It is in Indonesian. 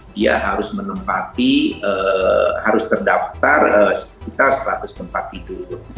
dia harus menempati harus terdaftar sekitar seratus tempat tidur